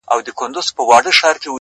خیر دی قبر ته دي هم په یوه حال نه راځي؛